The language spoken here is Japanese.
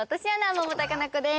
百田夏菜子です。